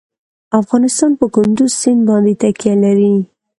افغانستان په کندز سیند باندې تکیه لري.